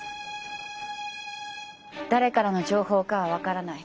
誰からの情報かは分からない。